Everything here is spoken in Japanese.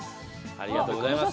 ありがとうございます。